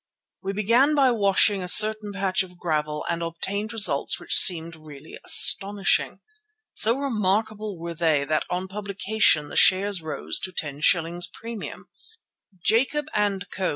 We began by washing a certain patch of gravel and obtained results which seemed really astonishing. So remarkable were they that on publication the shares rose to 10s. premium. Jacob and Co.